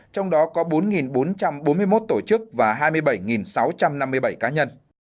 trong đó có bốn bốn trăm bốn mươi một tổ chức và hai mươi bảy sáu trăm năm mươi bảy cá nhân